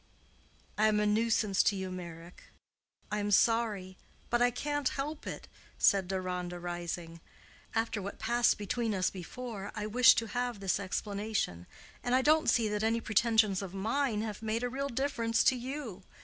"I am a nuisance to you, Meyrick. I am sorry, but I can't help it," said Deronda, rising. "After what passed between us before, I wished to have this explanation; and I don't see that any pretensions of mine have made a real difference to you.